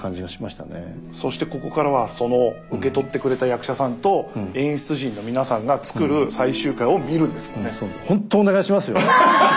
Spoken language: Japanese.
そしてここからはその受け取ってくれた役者さんと演出陣の皆さんが作る最終回を見るんですもんね。